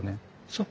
そう。